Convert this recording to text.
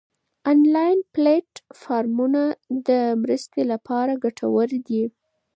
انلاین پلیټ فارمونه د مرستې لپاره ګټور دي.